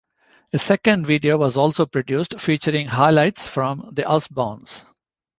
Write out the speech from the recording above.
A second video was also produced, featuring highlights from "The Osbournes".